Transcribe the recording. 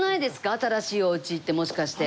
新しいお家ってもしかして。